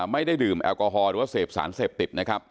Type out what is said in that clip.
ไม่ได้ดื่มแอลกอฮอลหรือว่าเสพสารเสพติดนะครับ